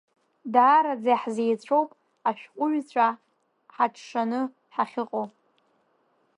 Даараӡа иаҳзеицәоуп ашәҟәыҩҩцәа ҳаҽшаны ҳахьыҟоу.